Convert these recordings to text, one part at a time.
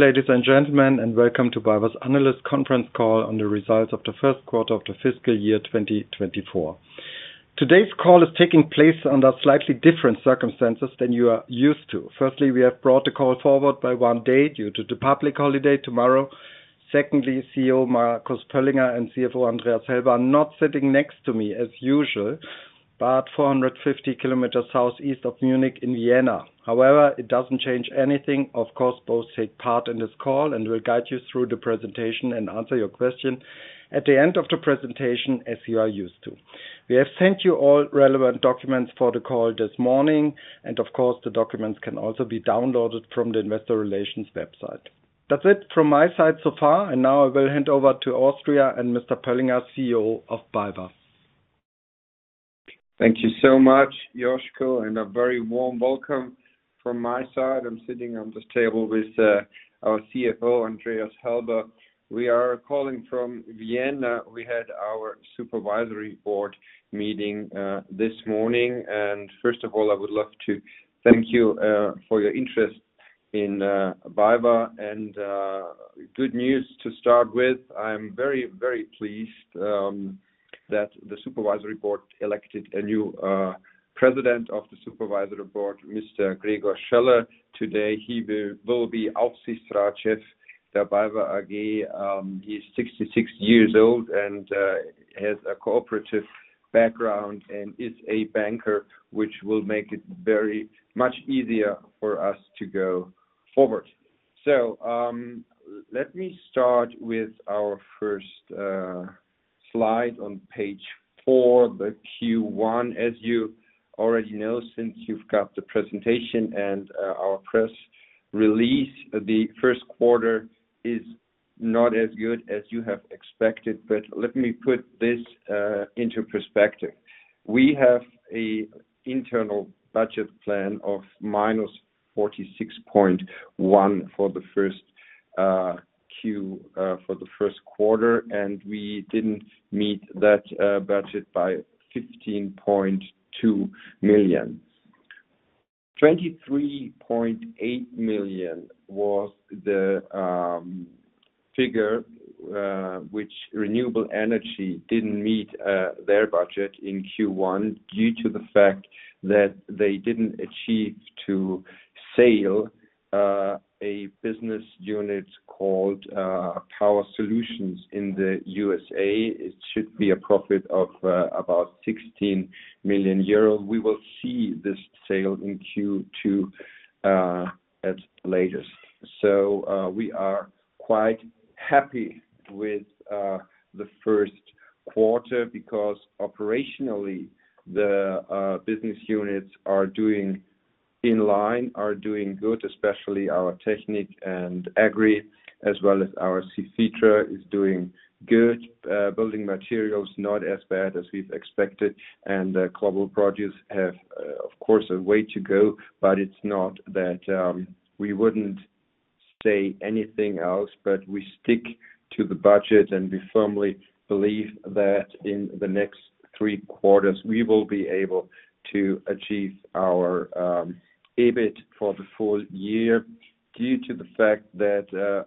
Ladies and gentlemen, and welcome to BayWa's Analyst Conference Call on the results of the first quarter of the fiscal year 2024. Today's call is taking place under slightly different circumstances than you are used to. Firstly, we have brought the call forward by one day due to the public holiday tomorrow. Secondly, CEO Marcus Pöllinger and CFO Andreas Helber are not sitting next to me as usual, but 450 km southeast of Munich in Vienna. However, it doesn't change anything. Of course, both take part in this call and will guide you through the presentation and answer your question at the end of the presentation as you are used to. We have sent you all relevant documents for the call this morning, and of course, the documents can also be downloaded from the investor relations website. That's it from my side so far, and now I will hand over to Austria and Mr. Pöllinger, CEO of BayWa. Thank you so much, Josko, and a very warm welcome from my side. I'm sitting on this table with our CFO Andreas Helber. We are calling from Vienna. We had our supervisory board meeting this morning, and first of all, I would love to thank you for your interest in BayWa. And good news to start with: I'm very, very pleased that the supervisory board elected a new president of the supervisory board, Mr. Gregor Scheller. Today, he will be Aufsichtsratschef der BayWa AG. He's 66 years old and has a cooperative background and is a banker, which will make it very much easier for us to go forward. So, let me start with our first slide on Page four, the Q1. As you already know, since you've got the presentation and our press release, the first quarter is not as good as you have expected, but let me put this into perspective. We have an internal budget plan of -46.1 million for the first Q for the first quarter, and we didn't meet that budget by 15.2 million. 23.8 million was the figure which Renewable Energy didn't meet their budget in Q1 due to the fact that they didn't achieve to sell a business unit called Power Solutions in the U.S.A. It should be a profit of about 16 million euro. We will see this sale in Q2 at latest. So, we are quite happy with the first quarter because operationally the business units are doing in line, are doing good, especially our Technik and Agri, as well as our Cefetra is doing good. Building Materials not as bad as we've expected, and Global Produce have, of course, a way to go, but it's not that we wouldn't say anything else, but we stick to the budget and we firmly believe that in the next three quarters we will be able to achieve our EBIT for the full year due to the fact that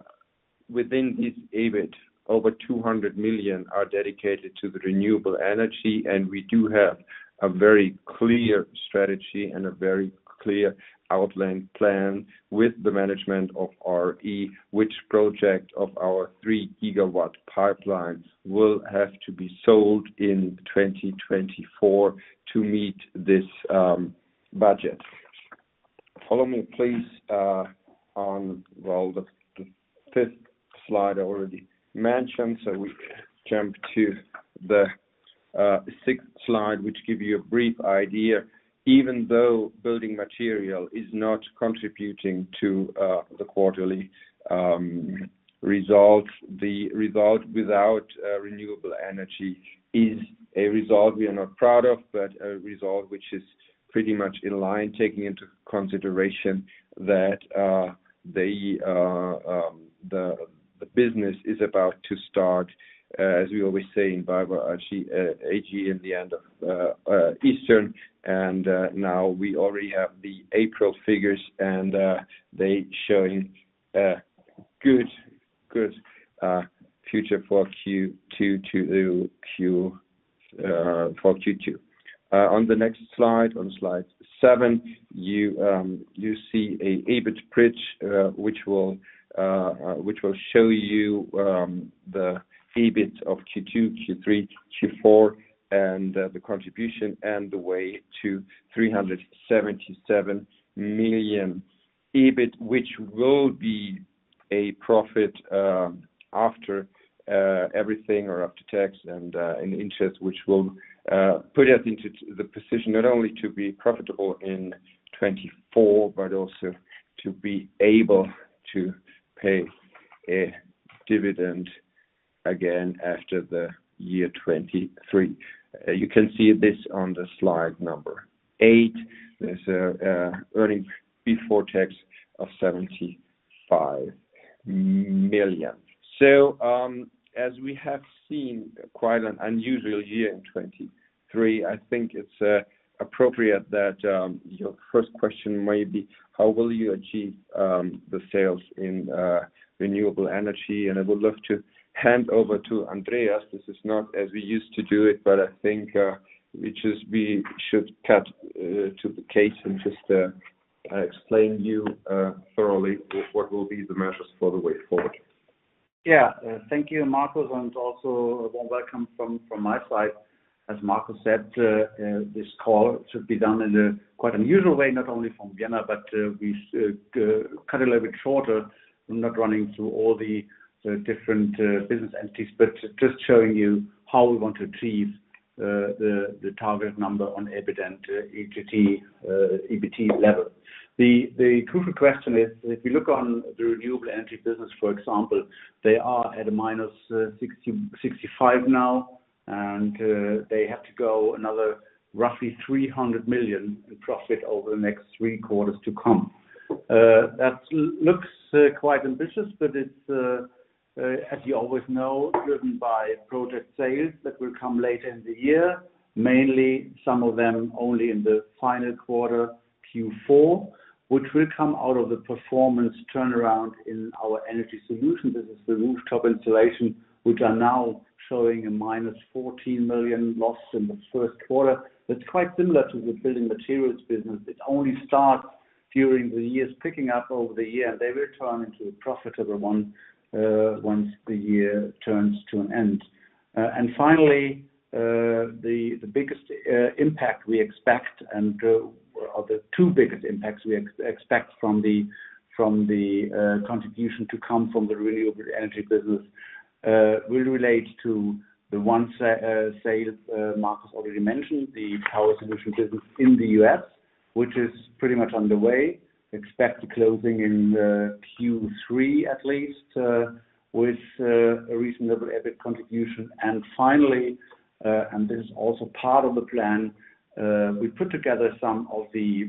within this EBIT, over 200 million are dedicated to the Renewable Energy, and we do have a very clear strategy and a very clear outline plan with the management of RE, which project of our 3 GW pipeline will have to be sold in 2024 to meet this budget. Follow me, please, on well, the fifth slide I already mentioned, so we jump to the sixth slide, which give you a brief idea. Even though building material is not contributing to the quarterly results, the result without Renewable Energy is a result we are not proud of, but a result which is pretty much in line, taking into consideration that the business is about to start, as we always say in BayWa AG in the end of Easter. And now we already have the April figures, and they showing good future for Q2 to Q4 for Q2. On the next slide, on Slide seven, you see an EBIT bridge, which will show you the EBIT of Q2, Q3, Q4, and the contribution and the way to 377 million EBIT, which will be a profit after everything or after tax and interest, which will put us into the position not only to be profitable in 2024 but also to be able to pay a dividend again after the year 2023. You can see this on slide number eight. There's an EBT of 75 million. So, as we have seen quite an unusual year in 2023, I think it's appropriate that your first question may be, "How will you achieve the sales in Renewable Energy?" And I would love to hand over to Andreas. This is not as we used to do it, but I think we just should cut to the chase and just explain to you thoroughly what will be the measures for the way forward. Yeah, thank you, Marcus, and also a warm welcome from my side. As Marcus said, this call should be done in a quite unusual way, not only from Vienna, but we cut a little bit shorter. I'm not running through all the different business entities, but just showing you how we want to achieve the target number on EBIT and EGT, EBT level. The crucial question is, if you look on the Renewable Energy business, for example, they are at a -60,-65 now, and they have to go another roughly 300 million in profit over the next three quarters to come. That looks quite ambitious, but it's, as you always know, driven by project sales that will come later in the year, mainly some of them only in the final quarter, Q4, which will come out of the performance turnaround in our Energy Solutions. This is the rooftop installation, which are now showing a -14 million loss in the first quarter. That's quite similar to the Building Materials business. It only starts during the year's picking up over the year, and they will turn into a profitable one, once the year turns to an end. And finally, the two biggest impacts we expect from the contribution to come from the Renewable Energy business will relate to the one-off sale Marcus already mentioned, the Power Solutions business in the U.S., which is pretty much underway. Expect the closing in Q3 at least, with a reasonable EBIT contribution. And finally, and this is also part of the plan, we put together some of the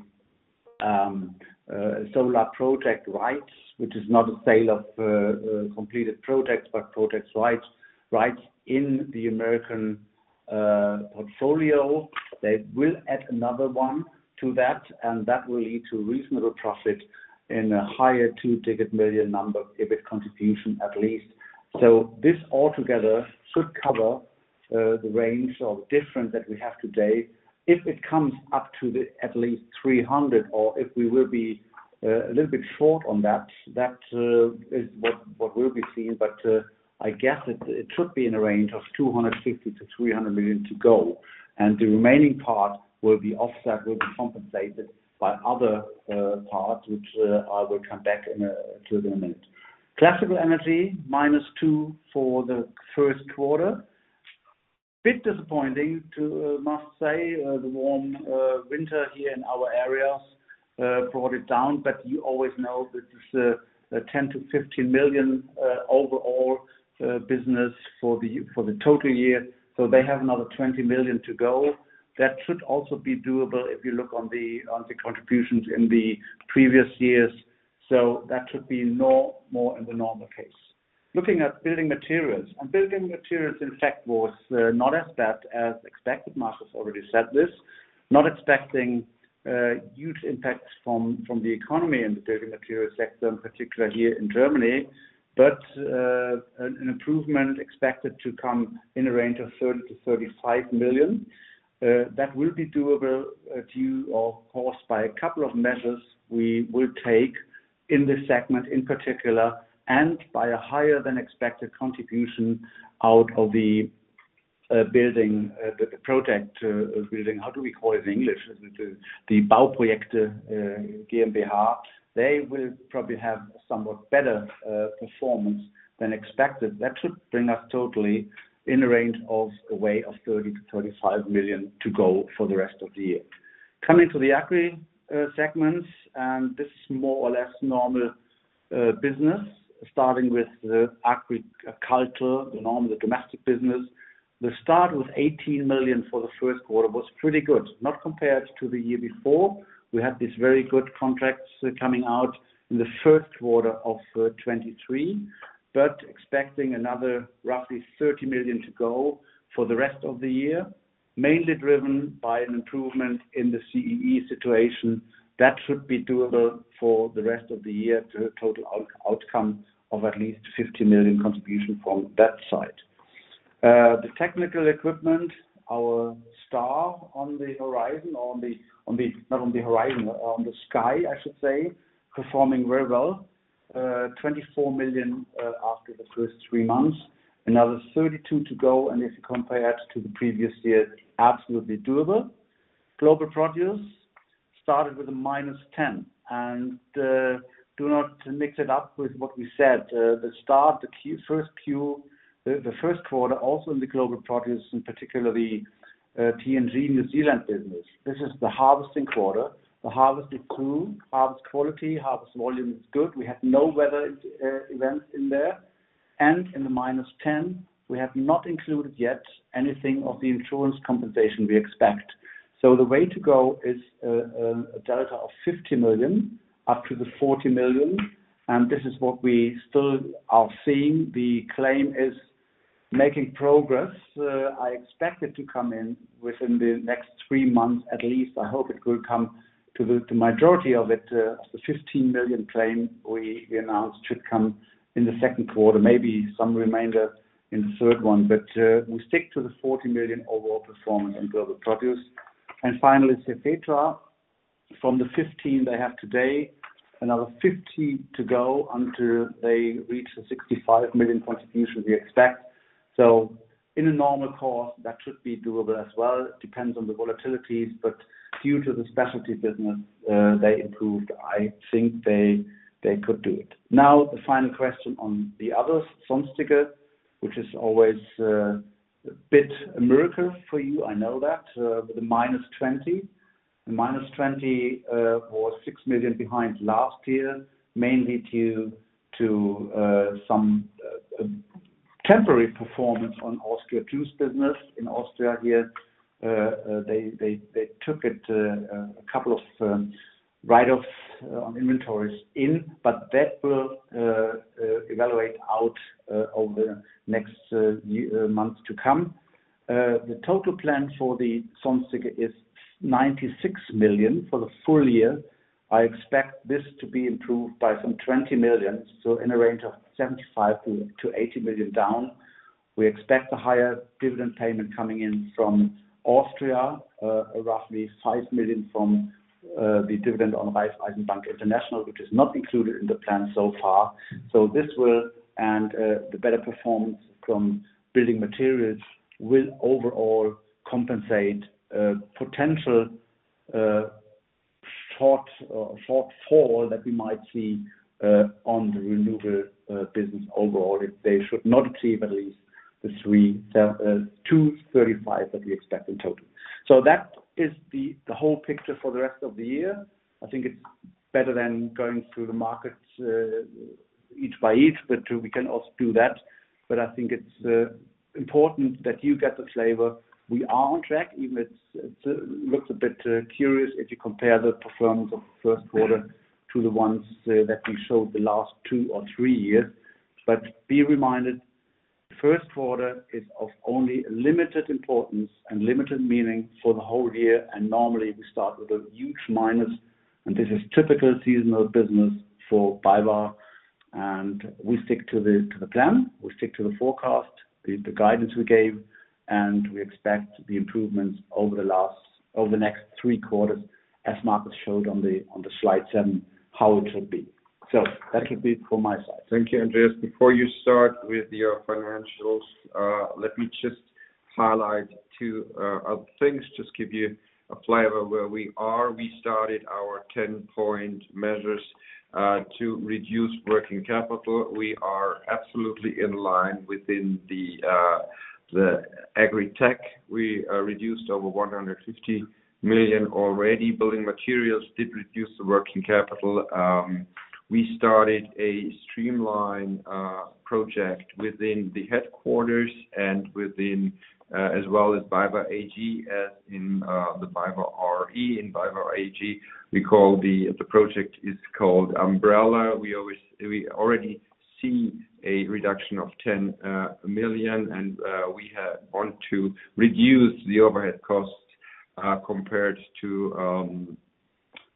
solar project rights, which is not a sale of completed projects but project rights, rights in the American portfolio. They will add another one to that, and that will lead to reasonable profit in a higher two-digit million number EBIT contribution at least. So this altogether should cover the range or the difference that we have today. If it comes up to at least 300 million or if we will be a little bit short on that, that is what will be seen. But I guess it should be in a range of 250 million-300 million to go, and the remaining part will be offset, will be compensated by other parts, which I will come back to in a minute. Classical Energy -2 million for the first quarter. A bit disappointing, must say, the warm winter here in our areas brought it down, but you always know that it's 10 million-15 million overall business for the total year. So they have another 20 million to go. That should also be doable if you look on the contributions in the previous years, so that should be no more in the normal case. Looking at Building Materials, Building Materials in fact was not as bad as expected. Marcus already said this, not expecting huge impacts from the economy in the Building Materials sector, in particular here in Germany, but an improvement expected to come in a range of 30 million-35 million. That will be doable, too, of course, by a couple of measures we will take in this segment in particular and by a higher than expected contribution out of the building, the project building. How do we call it in English? The BayWa Bau Projekt GmbH. They will probably have somewhat better performance than expected. That should bring us totally in a range of a way of 30 million-35 million to go for the rest of the year. Coming to the Agri segments, and this is more or less normal business, starting with the agriculture, the normal domestic business. The start with 18 million for the first quarter was pretty good, not compared to the year before. We had these very good contracts, coming out in the first quarter of 2023, but expecting another roughly 30 million to go for the rest of the year, mainly driven by an improvement in the CEE situation. That should be doable for the rest of the year to total outcome of at least 50 million contribution from that side. The technical equipment, our star on the horizon or on the not on the horizon, on the sky, I should say, performing very well. 24 million, after the first three months, another 32 million to go, and if you compare it to the previous year, absolutely doable. Global Produce started with a -10 million, and, do not mix it up with what we said. The start, the first quarter, also in the Global Produce in particular the T&G New Zealand business. This is the harvesting quarter. The harvest is through, harvest quality, harvest volume is good. We had no weather events in there. And in the -10 million, we have not included yet anything of the insurance compensation we expect. So the way to go is, a delta of 50 million up to the 40 million, and this is what we still are seeing. The claim is making progress. I expect it to come in within the next three months at least. I hope it will come to the majority of it, of the 15 million claim we announced should come in the second quarter, maybe some remainder in the third one, but we stick to the 40 million overall performance on Global Produce. And finally, Cefetra, from the 15 million they have today, another 50 million to go until they reach the 65 million contribution we expect. So in a normal course, that should be doable as well. Depends on the volatilities, but due to the specialty business, they improved. I think they could do it. Now, the final question on the others, Sonstige, which is always a bit a miracle for you. I know that, with a -20. The -20 was 6 million behind last year, mainly due to some temporary performance on Austria Juice business. In Austria here, they took a couple of write-offs on inventories, but that will even out over the next few months to come. The total plan for the Sonstige is 96 million for the full year. I expect this to be improved by some 20 million, so in a range of 75 million-80 million down. We expect a higher dividend payment coming in from Austria, roughly 5 million from the dividend on Raiffeisen Bank International, which is not included in the plan so far. So this will, and the better performance from Building Materials will overall compensate potential shortfall that we might see on the renewable business overall if they should not achieve at least the 335 million that we expect in total. So that is the whole picture for the rest of the year. I think it's better than going through the markets, each by each, but we can also do that. But I think it's important that you get the flavor. We are on track, even if it looks a bit curious if you compare the performance of the first quarter to the ones that we showed the last two or three years. But be reminded, the first quarter is of only limited importance and limited meaning for the whole year, and normally we start with a huge minus, and this is typical seasonal business for BayWa. And we stick to the plan. We stick to the forecast, the guidance we gave, and we expect the improvements over the next three quarters, as Marcus showed on the Slide seven, how it should be. So that should be from my side. Thank you, Andreas. Before you start with your financials, let me just highlight two other things, just give you a flavor where we are. We started our 10-point measures to reduce working capital. We are absolutely in line within the Agri/Tech. We reduced over 150 million already. Building Materials did reduce the working capital. We started a streamlined project within the headquarters and within, as well as BayWa AG as in the BayWa r.e. in BayWa AG. We call the project is called Umbrella. We already see a reduction of 10 million, and we want to reduce the overhead costs, compared to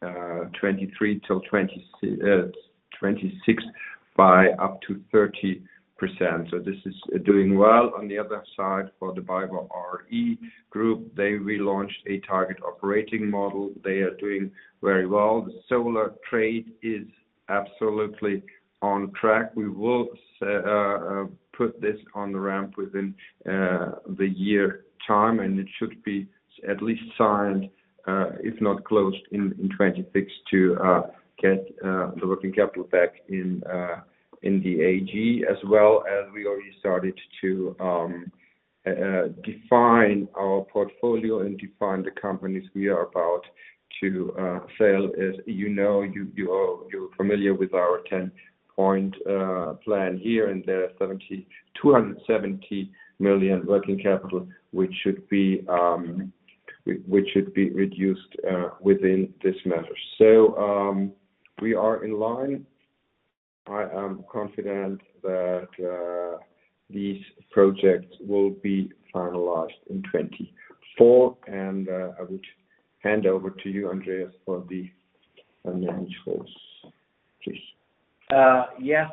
2023 till 2026 by up to 30%. So this is doing well. On the other side, for the BayWa r.e. group, they relaunched a target operating model. They are doing very well. The Solar Trade is absolutely on track. We will put this on the ramp within the year time, and it should be at least signed, if not closed, in 2026 to get the working capital back in the AG, as well as we already started to define our portfolio and define the companies we are about to sell, as you know, you are familiar with our 10-point plan here, and there are 70 million-270 million working capital, which should be reduced within this measure. So, we are in line. I am confident that these projects will be finalized in 2024, and I would hand over to you, Andreas, for the financials. Please. Yes.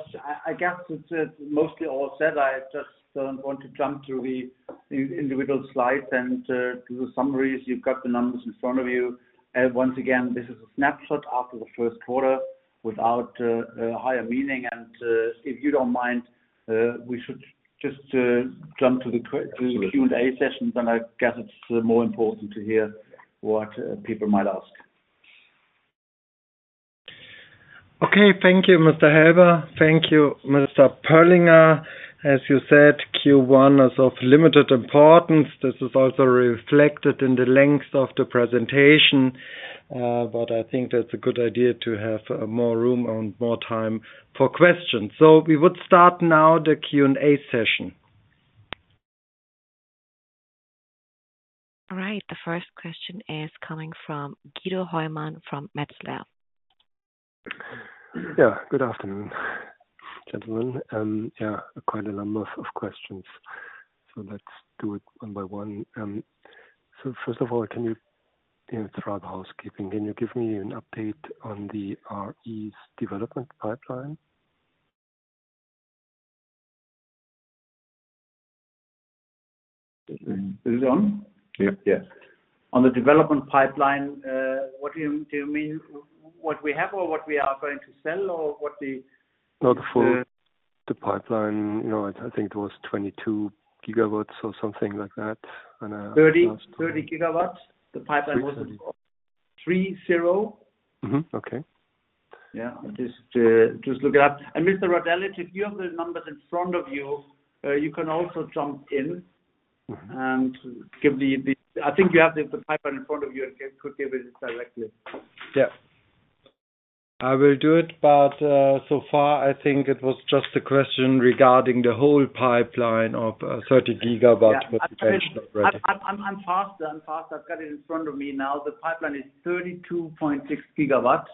I guess it's mostly all said. I just don't want to jump through the individual slides and do the summaries. You've got the numbers in front of you. Once again, this is a snapshot after the first quarter without hindsight. If you don't mind, we should just jump to the Q&A session, and I guess it's more important to hear what people might ask. Okay. Thank you, Mr. Helber. Thank you, Mr. Pöllinger. As you said, Q1 is of limited importance. This is also reflected in the length of the presentation, but I think that's a good idea to have more room and more time for questions. We would start now the Q&A session. All right. The first question is coming from Guido Hoymann from Metzler. Yeah. Good afternoon, gentlemen. Yeah, quite a number of questions. So let's do it one by one. So first of all, can you, you know, throughout the housekeeping, can you give me an update on the RE's development pipeline? Is it on? Yeah. Yeah. On the development pipeline, what do you mean what we have or what we are going to sell or what the? No, the full pipeline, you know, it's I think it was 22 GW or something like that in the last. 30? 30 GW? The pipeline was at 30? Mm-hmm. Okay. Yeah. Just, just look it up. And Mr. Radeljic, if you have the numbers in front of you, you can also jump in and give me the I think you have the, the pipeline in front of you and could give it directly. Yeah. I will do it, but so far, I think it was just a question regarding the whole pipeline of 30 GW with the bench not ready. I'm faster. I've got it in front of me now. The pipeline is 32.6 GW.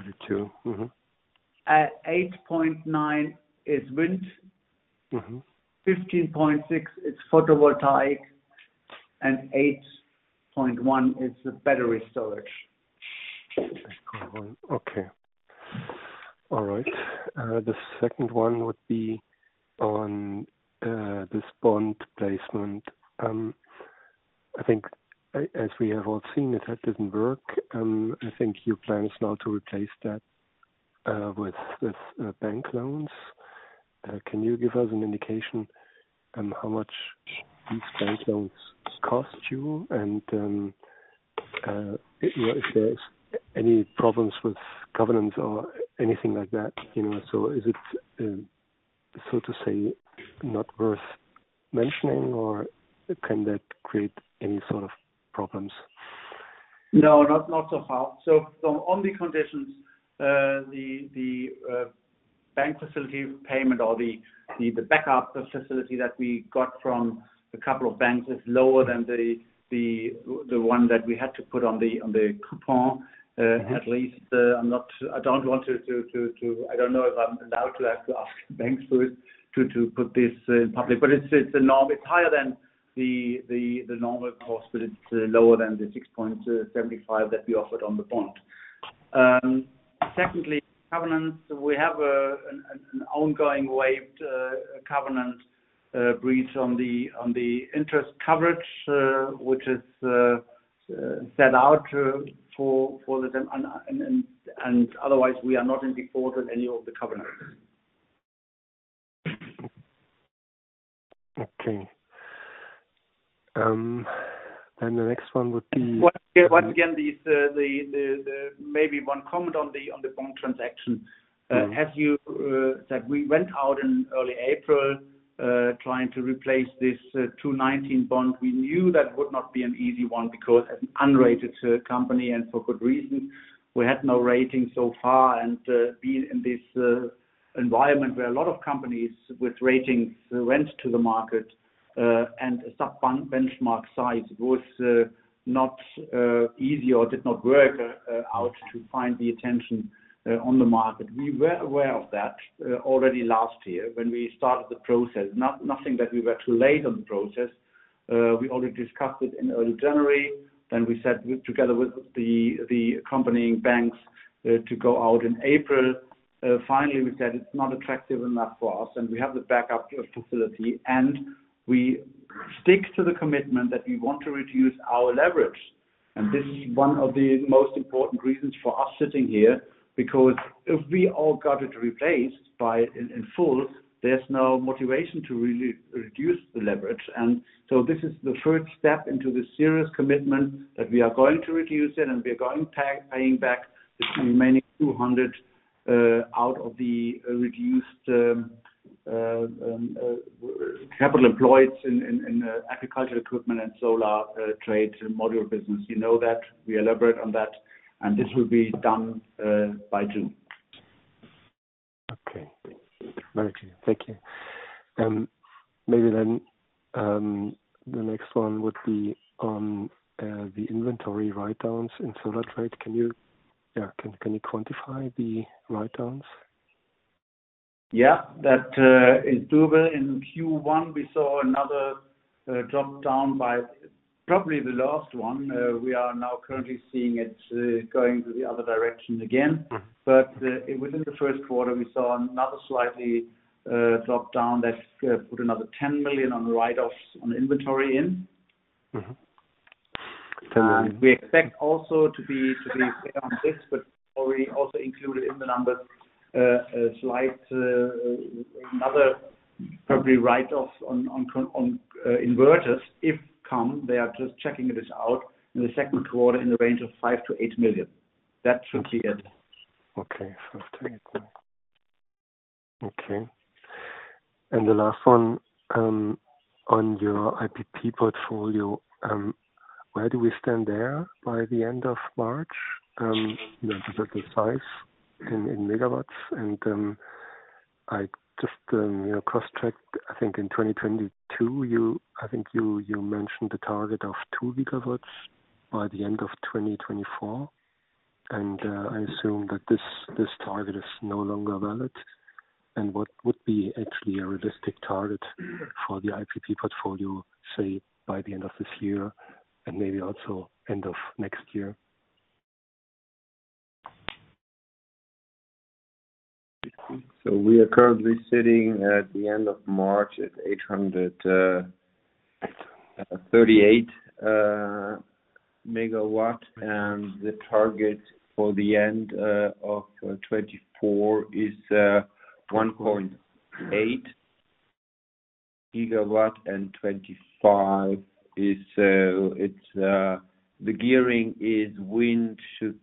32. Mm-hmm. 8.9 is wind. Mm-hmm. 15.6 is photovoltaic, and 8.1 is battery storage. 8.1. Okay. All right. The second one would be on this bond placement. I think, as we have all seen, it didn't work. I think your plan is now to replace that with bank loans. Can you give us an indication how much these bank loans cost you and, you know, if there's any problems with governance or anything like that, you know? So is it, so to say, not worth mentioning, or can that create any sort of problems? No, not so hard. So the only conditions, the bank facility payment or the backup facility that we got from a couple of banks is lower than the one that we had to put on the coupon, at least. I'm not. I don't want to. I don't know if I'm allowed to have to ask banks for it to put this in public, but it's the norm. It's higher than the normal cost, but it's lower than the 6.75 that we offered on the bond. Secondly, covenant. We have an ongoing waiver covenant breach on the interest coverage, which is set out for the, and otherwise, we are not in default with any of the covenants. Okay. Then the next one would be. Once again, maybe one comment on the bond transaction. As you know that we went out in early April, trying to replace this 2019 bond, we knew that would not be an easy one because as an unrated company and for good reasons, we had no rating so far. And being in this environment where a lot of companies with ratings went to the market, and as a bond benchmark size was not easy or did not work out to find attention on the market. We were aware of that already last year when we started the process. No, nothing that we were too late on the process. We already discussed it in early January. Then we said together with the accompanying banks to go out in April. Finally, we said it's not attractive enough for us, and we have the backup facility, and we stick to the commitment that we want to reduce our leverage. This is one of the most important reasons for us sitting here because if we all got it replaced in full, there's no motivation to really reduce the leverage. So this is the first step into the serious commitment that we are going to reduce it, and we are going to pay back the remaining 200 out of the reduced capital employed in agricultural equipment and solar trade module business. You know that. We elaborate on that, and this will be done by June. Okay. Very clear. Thank you. Maybe then, the next one would be on the inventory write-downs in Solar Trade. Can you quantify the write-downs? Yeah. That is doable. In Q1, we saw another drop down by probably the last one. We are now currently seeing it going to the other direction again. But within the first quarter, we saw another slight drop down that put another 10 million on write-offs on inventory. Mm-hmm. EUR 10 million. We expect also to be fair on this, but already also included in the numbers, a slight, another probably write-off on ongoing inverters income. They are just checking this out in the second quarter in the range of 5 million-8 million. That should be it. Okay. 5 million-8 million. Okay. And the last one, on your IPP portfolio, where do we stand there by the end of March? The size in GW. And I just, you know, cross-checked. I think in 2022, you mentioned a target of 2 GW by the end of 2024. And I assume that this target is no longer valid. And what would be actually a realistic target for the IPP portfolio, say, by the end of this year and maybe also end of next year? So we are currently sitting at the end of March at 838 MW, and the target for the end of 2024 is 1.8 GW, and 2025 is, it's the gearing is wind should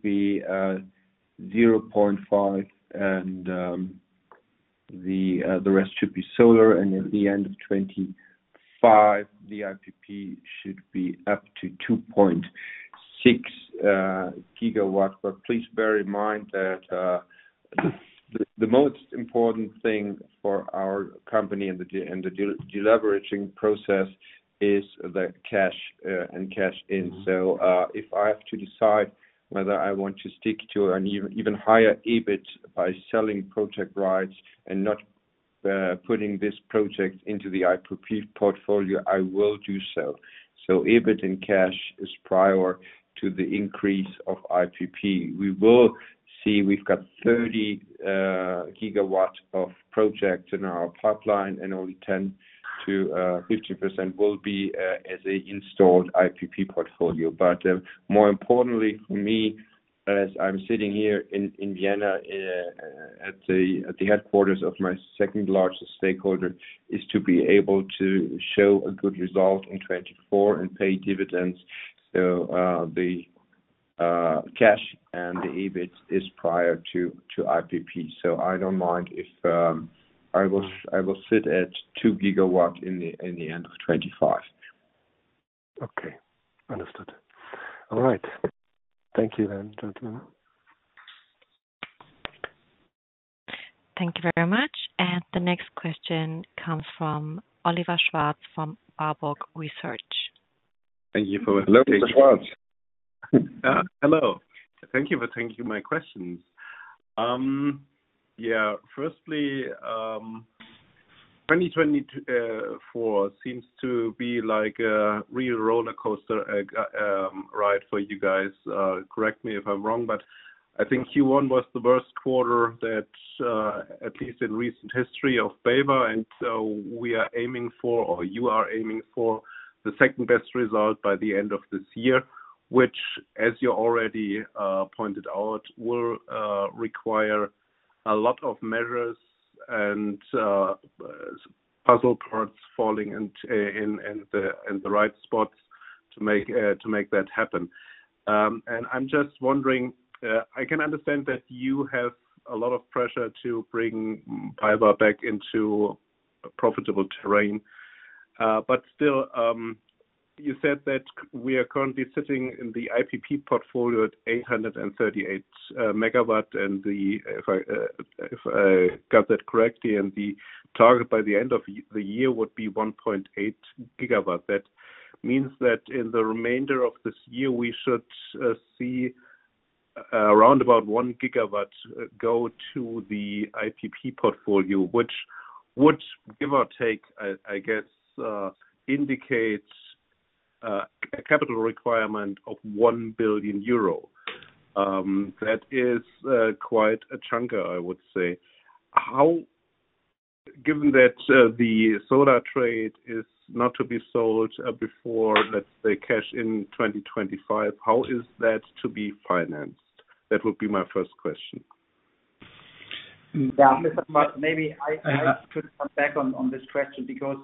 be 0.5, and the rest should be solar. And at the end of 2025, the IPP should be up to 2.6 GW. But please bear in mind that the most important thing for our company and the deleveraging process is the cash and cash in. So if I have to decide whether I want to stick to an even higher EBIT by selling project rights and not putting this project into the IPP portfolio, I will do so. So EBIT and cash is prior to the increase of IPP. We will see we've got 30 GW of projects in our pipeline, and only 10%-50% will be as an installed IPP portfolio. But more importantly for me, as I'm sitting here in Vienna, at the headquarters of my second-largest stakeholder, is to be able to show a good result in 2024 and pay dividends. So the cash and the EBIT is prior to IPP. So I don't mind if I will sit at 2 GW in the end of 2025. Okay. Understood. All right. Thank you then, gentlemen. Thank you very much. The next question comes from Oliver Schwarz from Warburg Research. Thank you for welcoming, Mr. Schwarz. Hello. Thank you for taking my questions. Yeah. Firstly, 2024 seems to be like a real rollercoaster ride for you guys. Correct me if I'm wrong, but I think Q1 was the worst quarter that at least in recent history of BayWa. And so we are aiming for or you are aiming for the second-best result by the end of this year, which, as you already pointed out, will require a lot of measures and puzzle parts falling in the right spots to make that happen. And I'm just wondering. I can understand that you have a lot of pressure to bring BayWa back into profitable terrain. But still, you said that we are currently sitting in the IPP portfolio at 838 MW, and if I, if I got that correctly, and the target by the end of the year would be 1.8 GW. That means that in the remainder of this year, we should see around about 1 GW go to the IPP portfolio, which would, give or take, I, I guess, indicate a capital requirement of 1 billion euro. That is quite a chunker, I would say. How, given that the Solar Trade is not to be sold before, let's say, cash in 2025, how is that to be financed? That would be my first question. Yeah. Mr. Schwarz, maybe I could come back on this question because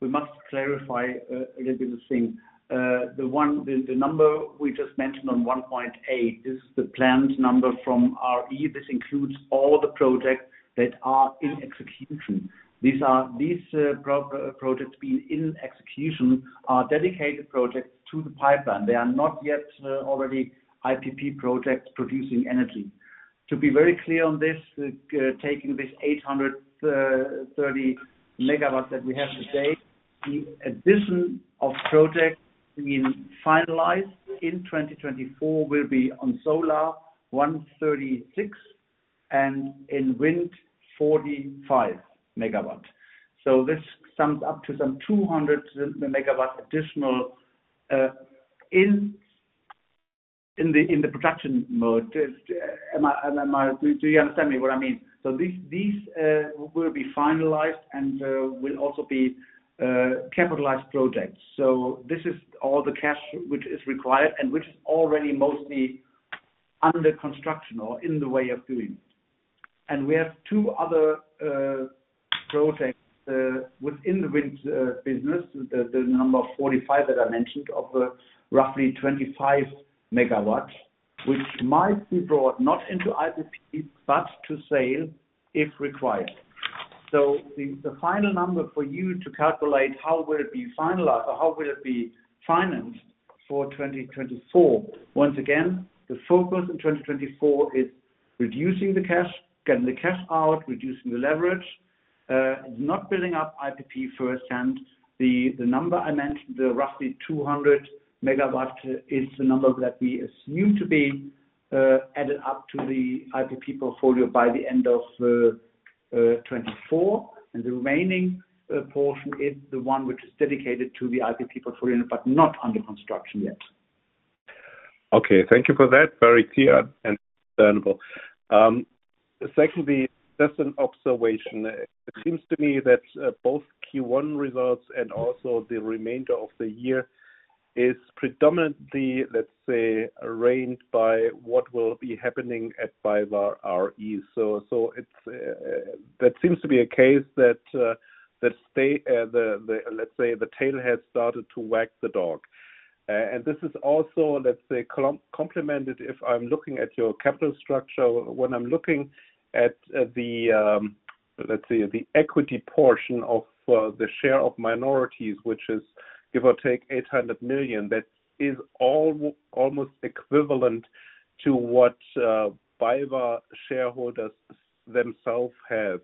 we must clarify a little bit of thing. The number we just mentioned on 1.8, this is the planned number from RE. This includes all the projects that are in execution. These are projects being in execution are dedicated projects to the pipeline. They are not yet already IPP projects producing energy. To be very clear on this, taking this 830 MW that we have today, the addition of projects being finalized in 2024 will be on solar 136 MW and in wind 45 MW. So this sums up to some 200 MW additional in the production mode. Do you understand what I mean? So these will be finalized and will also be capitalized projects. So this is all the cash which is required and which is already mostly under construction or in the way of doing it. And we have two other projects within the wind business, the number 45 that I mentioned of roughly 25 MW, which might be brought not into IPP but to sale if required. So the final number for you to calculate how will it be finalized or how will it be financed for 2024 once again, the focus in 2024 is reducing the cash, getting the cash out, reducing the leverage, not building up IPP firsthand. The number I mentioned, the roughly 200 MW, is the number that we assume to be added up to the IPP portfolio by the end of 2024. And the remaining portion is the one which is dedicated to the IPP portfolio but not under construction yet. Okay. Thank you for that. Very clear and understandable. Secondly, just an observation. It seems to me that both Q1 results and also the remainder of the year is predominantly, let's say, reigned by what will be happening at BayWa r.e. So it's that seems to be a case that the tail has started to whack the dog. And this is also, let's say, complemented if I'm looking at your capital structure. When I'm looking at the, let's say, the equity portion of the share of minorities, which is, give or take, 800 million, that is all almost equivalent to what BayWa shareholders themselves have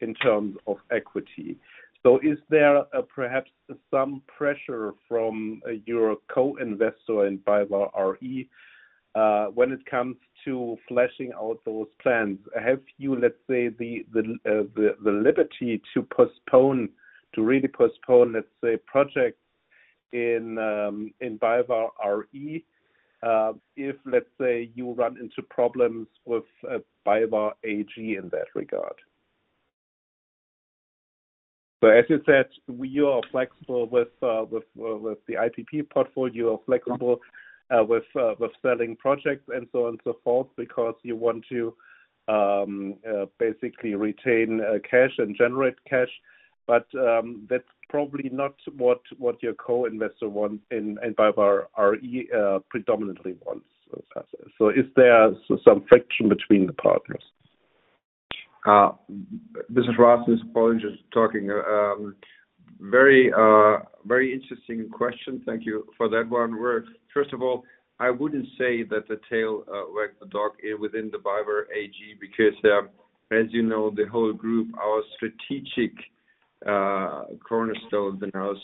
in terms of equity. So is there perhaps some pressure from your co-investor in BayWa r.e., when it comes to fleshing out those plans? Have you, let's say, the liberty to postpone, to really postpone, let's say, projects in BayWa r.e., if, let's say, you run into problems with BayWa AG in that regard? So as you said, we are flexible with the IPP portfolio. You are flexible with selling projects and so on and so forth because you want to basically retain cash and generate cash. But that's probably not what your co-investor wants in BayWa r.e., predominantly wants. So is there some friction between the partners? Mr. Schwarz, I suppose I'm just talking. Very, very interesting question. Thank you for that one. We're first of all. I wouldn't say that the tail whacked the dog within the BayWa AG because, as you know, the whole group, our strategic cornerstone and our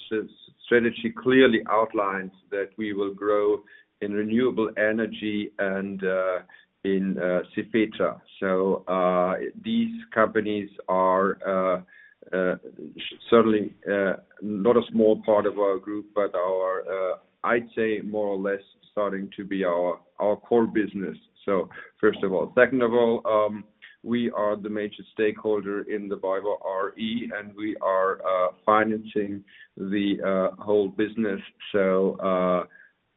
strategy clearly outlines that we will grow in Renewable Energy and in Cefetra. So, these companies are certainly not a small part of our group but our, I'd say more or less starting to be our core business. So first of all. Second of all, we are the major stakeholder in the BayWa r.e., and we are financing the whole business. So,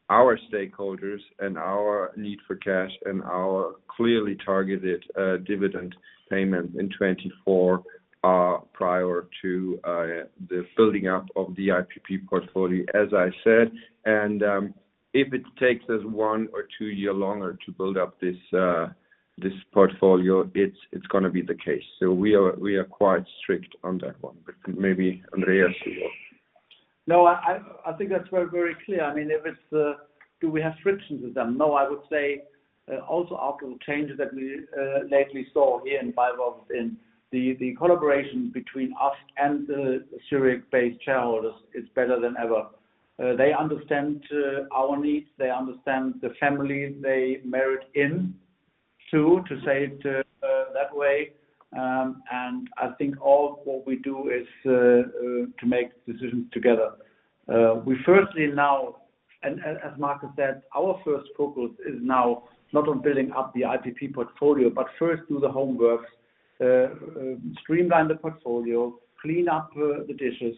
our stakeholders and our need for cash and our clearly targeted dividend payment in 2024 are prior to the building up of the IPP portfolio, as I said. And if it takes us one or two years longer to build up this portfolio, it's going to be the case. So we are quite strict on that one. But maybe, Andreas, you will. No, I think that's very, very clear. I mean, if it's, do we have friction with them? No, I would say, also outcome changes that we lately saw here in BayWa within the collaboration between us and the Zurich-based shareholders is better than ever. They understand our needs. They understand the family they married into, to say it that way. And I think all what we do is to make decisions together. We firstly now and, as Marcus said, our first focus is now not on building up the IPP portfolio but first do the homework, streamline the portfolio, clean up the dishes,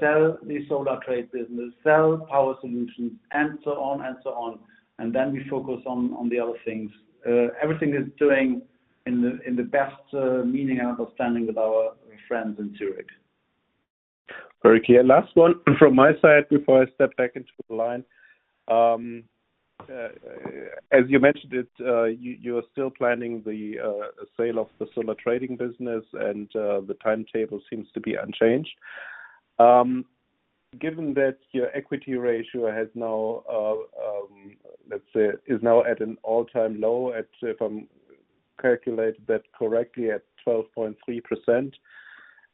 sell the Solar Trade business, sell Power Solutions, and so on and so on. And then we focus on the other things. Everything is doing in the best meaning and understanding with our friends in Zurich. Very clear. Last one from my side before I step back into the line. As you mentioned, you are still planning the sale of the solar trading business, and the timetable seems to be unchanged. Given that your equity ratio has now, let's say, is now at an all-time low at, if I've calculated that correctly, at 12.3%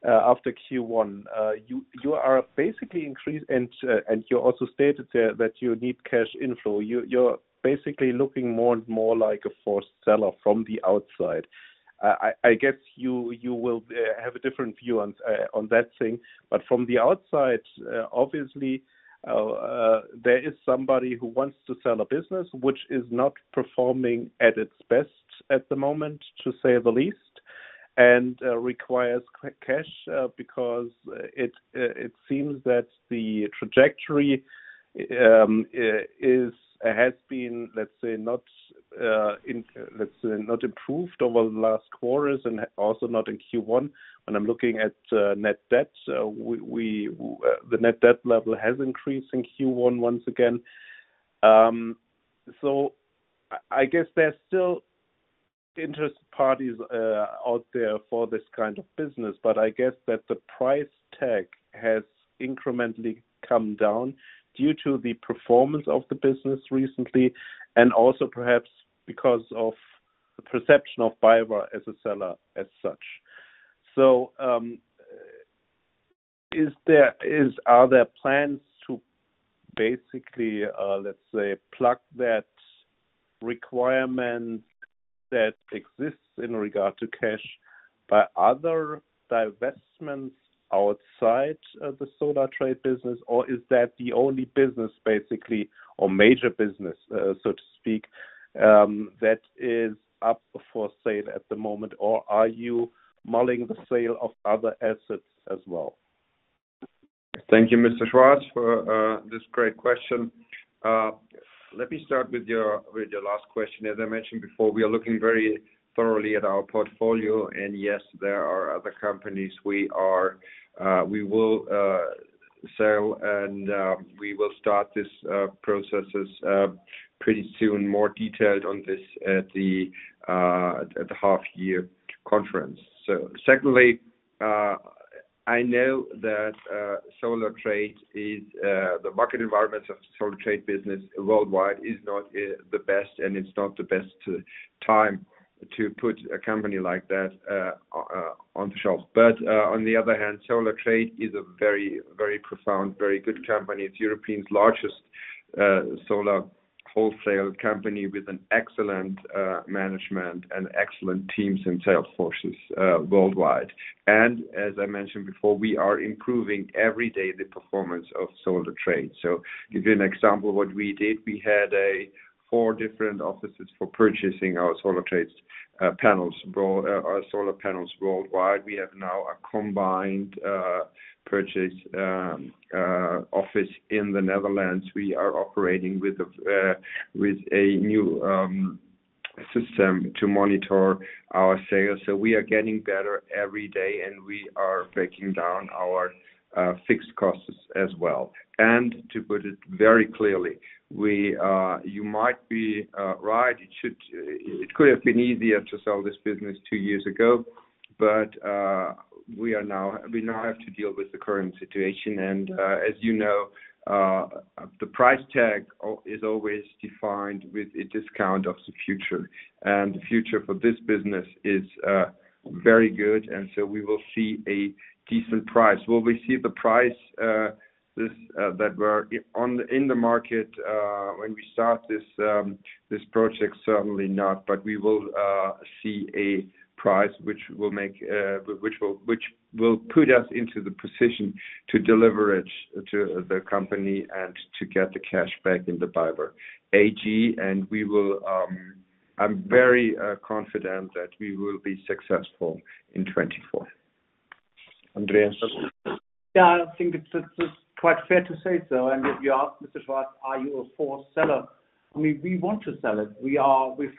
after Q1, you are basically increasing, and you also stated there that you need cash inflow. You're basically looking more and more like a forced seller from the outside. I guess you will have a different view on that thing. But from the outside, obviously, there is somebody who wants to sell a business which is not performing at its best at the moment, to say the least, and requires cash, because it seems that the trajectory has been, let's say, not improved over the last quarters and also not in Q1. When I'm looking at net debt, the net debt level has increased in Q1 once again. So I guess there's still interested parties out there for this kind of business. But I guess that the price tag has incrementally come down due to the performance of the business recently and also perhaps because of the perception of BayWa as a seller as such. So, are there plans to basically, let's say, plug that requirement that exists in regard to cash by other divestments outside the solar trade business? Or is that the only business, basically, or major business, so to speak, that is up for sale at the moment? Or are you mulling the sale of other assets as well? Thank you, Mr. Schwarz, for this great question. Let me start with your last question. As I mentioned before, we are looking very thoroughly at our portfolio. And yes, there are other companies we will sell, and we will start this processes pretty soon, more detailed on this at the half-year conference. So secondly, I know that Solar Trade is the market environments of Solar Trade business worldwide is not the best, and it's not the best time to put a company like that on the shelf. But on the other hand, Solar Trade is a very, very profound, very good company. It's Europe's largest solar wholesale company with an excellent management and excellent teams and sales forces worldwide. And as I mentioned before, we are improving every day the performance of Solar Trade. So to give you an example of what we did, we had 4 different offices for purchasing our Solar Trade's panels, solar panels worldwide. We have now a combined purchase office in the Netherlands. We are operating with a new system to monitor our sales. So we are getting better every day, and we are breaking down our fixed costs as well. To put it very clearly, you might be right. It should, it could have been easier to sell this business two years ago. But we are now, we now have to deal with the current situation. And as you know, the price tag is always defined with a discount of the future. And the future for this business is very good. And so we will see a decent price. Will we see the price that we're on in the market when we start this project? Certainly not. But we will see a price which will put us into the position to deleverage the company and to get the cash back in the BayWa AG. And we will, I'm very confident that we will be successful in 2024. Andreas? Yeah, I think it's quite fair to say so. And if you ask Mr. Schwarz, are you a forced seller? I mean, we want to sell it. We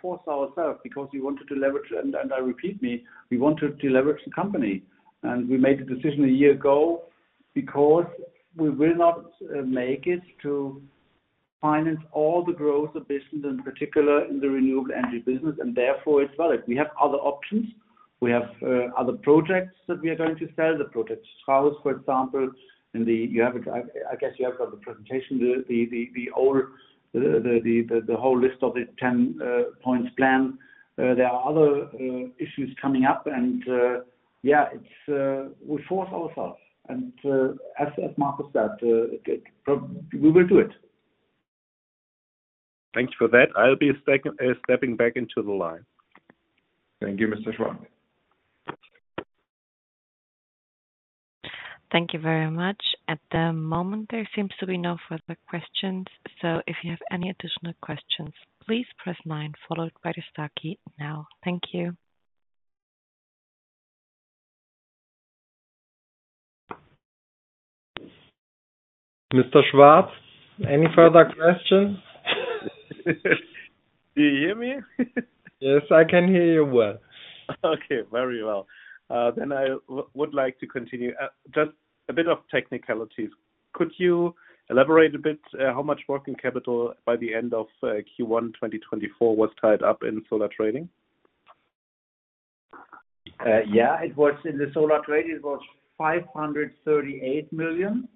force ourselves because we want to deleverage and, let me repeat, we want to deleverage the company. And we made the decision a year ago because we will not make it to finance all the growth ambitions, in particular, in the Renewable Energy business. And therefore, it's valid. We have other options. We have other projects that we are going to sell, the Project Klaus, for example, in there. You have it. I guess you have got the presentation, the whole list of the 10-point plan. There are other issues coming up. And yeah, it's we force ourselves. As Marcus said, we will do it. Thank you for that. I'll be stepping back into the line. Thank you, Mr. Schwarz. Thank you very much. At the moment, there seems to be no further questions. So if you have any additional questions, please press nine followed by the star key now. Thank you. Mr. Schwarz, any further questions? Do you hear me? Yes, I can hear you well. Okay. Very well. Then I would like to continue. Just a bit of technicalities. Could you elaborate a bit, how much working capital by the end of Q1 2024 was tied up in solar trading? Yeah. It was in the Solar Trade, it was 538 million.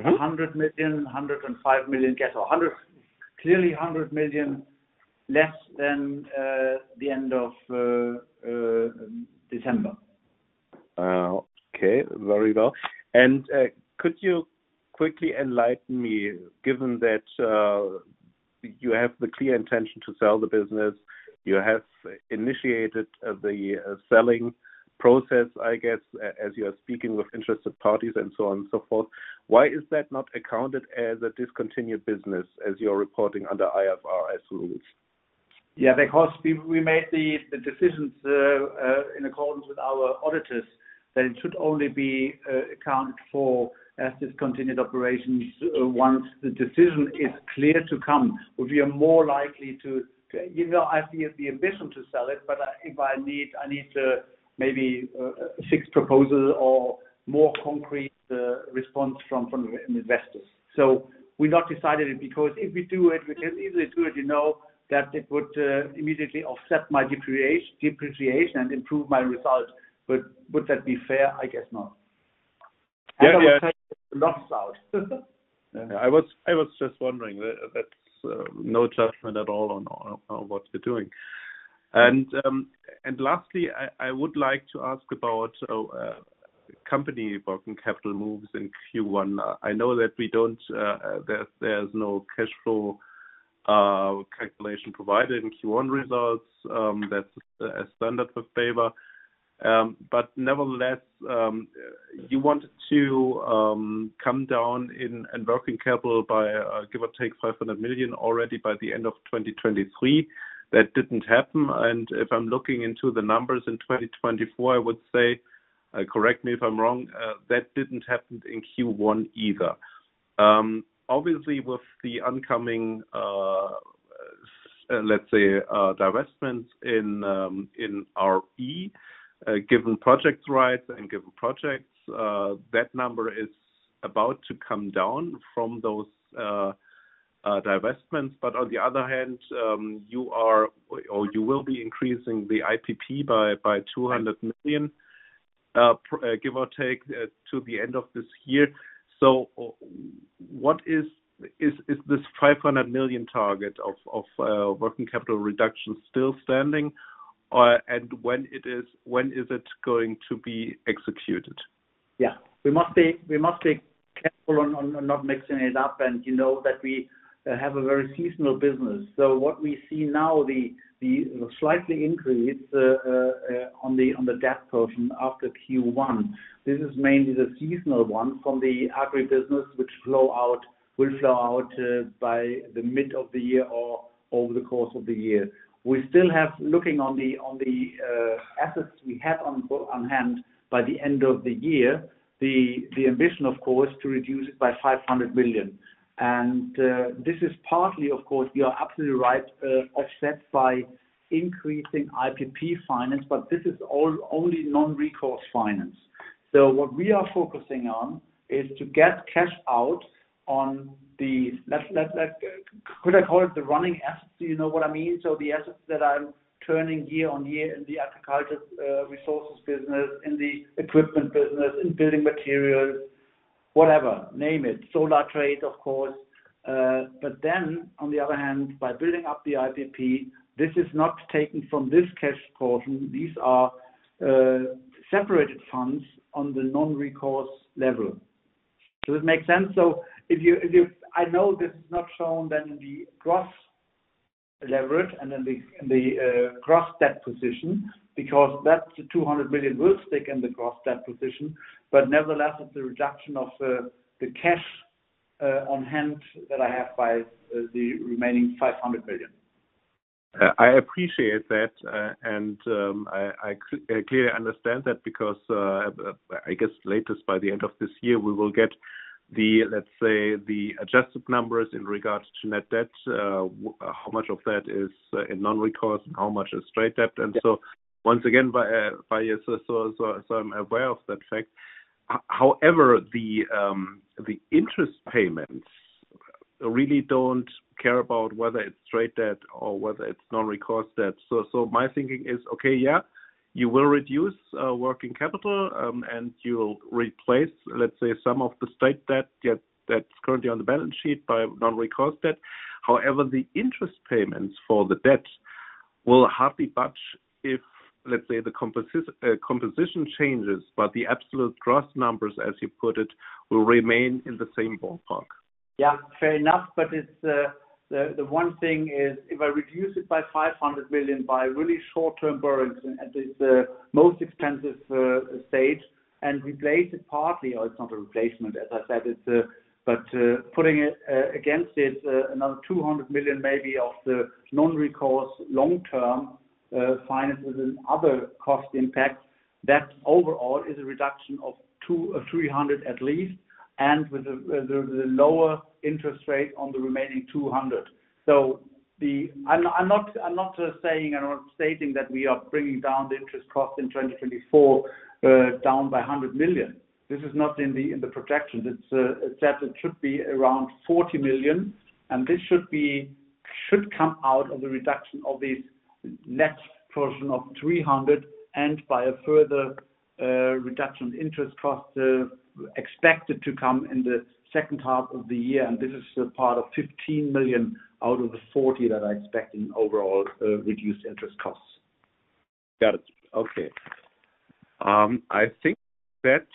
Mm-hmm. 100 million, 105 million cash. So 100 clearly 100 million less than the end of December. Okay. Very well. Could you quickly enlighten me, given that you have the clear intention to sell the business, you have initiated the selling process, I guess, as you are speaking with interested parties and so on and so forth, why is that not accounted as a discontinued business as you are reporting under IFRS rules? Yeah, because we made the decisions, in accordance with our auditors, that it should only be accounted for as discontinued operations, once the decision is clear to come. We are more likely to, you know, I have the ambition to sell it, but if I need, maybe, a fixed proposal or more concrete response from investors. So we not decided it because if we do it, we can easily do it, you know, that it would immediately offset my depreciation and improve my result. But would that be fair? I guess not. Yeah. I would say it's a loss out. Yeah. I was just wondering. That's no judgment at all on what you're doing. And lastly, I would like to ask about company working capital moves in Q1. I know that we don't; there's no cash flow calculation provided in Q1 results. That's a standard for BayWa. But nevertheless, you wanted to come down in working capital by give or take 500 million already by the end of 2023. That didn't happen. And if I'm looking into the numbers in 2024, I would say correct me if I'm wrong, that didn't happen in Q1 either. Obviously, with the oncoming, let's say, divestments in RE, given project rights and given projects, that number is about to come down from those divestments. But on the other hand, you are or you will be increasing the IPP by 200 million, or give or take, to the end of this year. So what is this 500 million target of working capital reduction still standing? Or, when it is, when is it going to be executed? Yeah. We must be careful on not mixing it up. And you know that we have a very seasonal business. So what we see now, the slight increase on the debt portion after Q1, this is mainly the seasonal one from the agribusiness which will flow out by the mid of the year or over the course of the year. We still have, looking on the assets we have on hand by the end of the year, the ambition, of course, to reduce it by 500 million. And this is partly, of course you are absolutely right, offset by increasing IPP finance. But this is all only non-recourse finance. So what we are focusing on is to get cash out on the let me call it the running assets? Do you know what I mean? So the assets that I'm turning year on year in the agriculture, resources business, in the equipment business, in Building Materials, whatever, name it, solar trade, of course. But then, on the other hand, by building up the IPP, this is not taken from this cash portion. These are separated funds on the non-recourse level. Does it make sense? So if you I know this is not shown then in the gross leverage and in the gross debt position because that's the 200 million will stick in the gross debt position. But nevertheless, it's a reduction of the cash on hand that I have by the remaining 500 million. I appreciate that. I clearly understand that because I guess latest by the end of this year, we will get the, let's say, the adjusted numbers in regard to net debt, how much of that is in non-recourse and how much is straight debt. And so once again, I'm aware of that fact. However, the interest payments really don't care about whether it's straight debt or whether it's non-recourse debt. So my thinking is, okay, yeah, you will reduce working capital, and you'll replace, let's say, some of the straight debt that's currently on the balance sheet by non-recourse debt. However, the interest payments for the debt will hardly budge if, let's say, the composition changes. But the absolute gross numbers, as you put it, will remain in the same ballpark. Yeah. Fair enough. But it's the one thing is if I reduce it by 500 million by really short-term borrowings at this most expensive stage and replace it partly or it's not a replacement, as I said. It's but putting it against it another 200 million maybe of the non-recourse long-term finance with another cost impact, that overall is a reduction of 200 million-300 million at least and with a lower interest rate on the remaining 200 million. So I'm not saying I'm not stating that we are bringing down the interest cost in 2024 down by 100 million. This is not in the projections. It's said it should be around 40 million. This should come out of the reduction of this net portion of 300 and by a further reduction of interest costs, expected to come in the second half of the year. And this is the part of 15 million out of the 40 million that I expect in overall reduced interest costs. Got it. Okay. I think that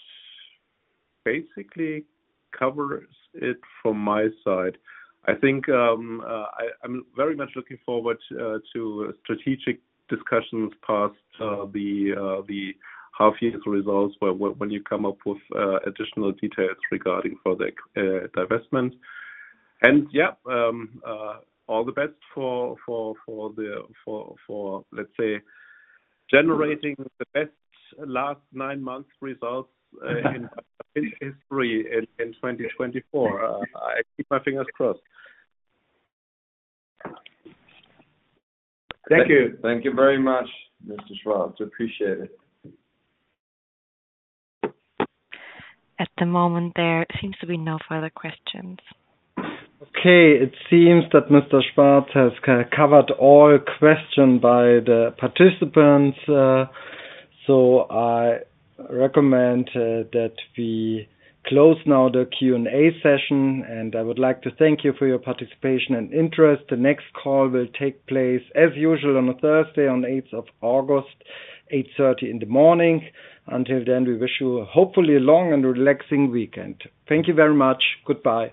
basically covers it from my side. I think, I'm very much looking forward to strategic discussions past the half-year results when you come up with additional details regarding further divestment. And yeah, all the best for, let's say, generating the best last nine months results in BayWa history in 2024. I keep my fingers crossed. Thank you. Thank you very much, Mr. Schwarz. Appreciate it. At the moment, there seems to be no further questions. Okay. It seems that Mr. Schwarz has covered all questions by the participants. So I recommend that we close now the Q&A session. And I would like to thank you for your participation and interest. The next call will take place, as usual, on a Thursday, on 8th of August, 8:30 A.M. Until then, we wish you hopefully a long and relaxing weekend. Thank you very much. Goodbye.